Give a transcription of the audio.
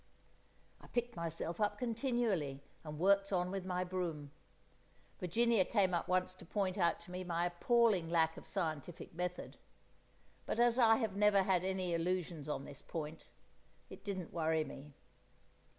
I picked myself up continually, and worked on with my broom. Virginia came up once to point out to me my appalling lack of scientific method; but as I have never had any illusions on this point, it didn't worry me.